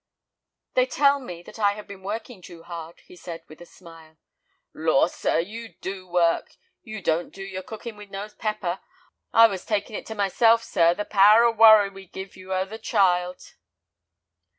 "They tell me that I have been working too hard," he said, with a smile. "Lor', sir, you do work; you don't do your cooking with no pepper. I was taking it to myself, sir, the power of worry we've give you over the child."